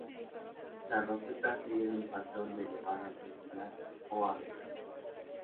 Las rosetas siguen un patrón de elevada densidad o agregación.